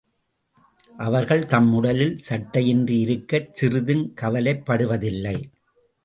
அவர்கள் தம் உடலில் சட்டையின்றி இருக்கச் சிறிதும் கவலைப் படுவதில்லை.